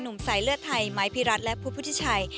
หนุ่มใสเรือดไทยไมค์พีรัสและภุตพุทธิฉัย